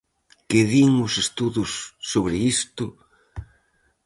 Que din os estudos sobre isto?